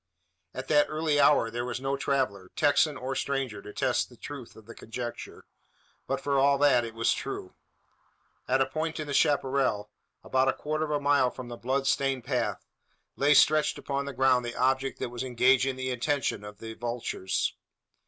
At that early hour there was no traveller Texan, or stranger to test the truth of the conjecture; but, for all that, it was true. At a point in the chapparal, about a quarter of a mile from the blood stained path, lay stretched upon the ground the object that was engaging the attention of the vultures.